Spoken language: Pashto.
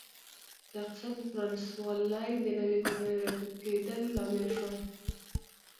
د اقتصاد پرانیستوالی د نویو کورنیو راټوکېدل لامل شول.